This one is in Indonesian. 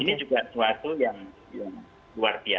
ini juga suatu yang luar biasa